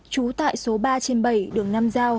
trú tại số ba trên bảy đường nam giao